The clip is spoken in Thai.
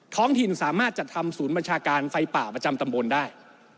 ท้องถิ่นสามารถจัดทำศูนย์บัญชาการไฟป่าประจำตำบลได้